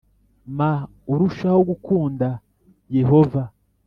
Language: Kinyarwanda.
ma urushaho gukunda Yehova